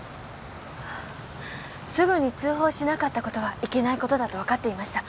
すぐに通報しなかった事はいけない事だとわかっていました。